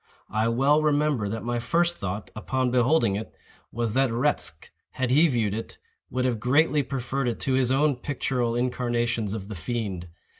I well remember that my first thought, upon beholding it, was that Retzch, had he viewed it, would have greatly preferred it to his own pictural incarnations of the fiend.